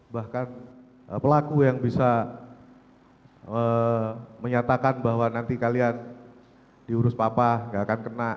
bahkan pelaku yang bisa menyatakan bahwa nanti kalian diurus papa nggak akan kena